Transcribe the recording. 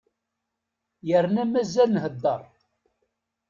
Yerna mazal nhedder.